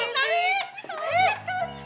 eh tapi soalnya kan